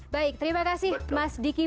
baik terima kasih mas diki